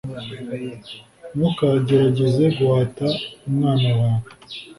Ntukagerageze guhata umwana wawe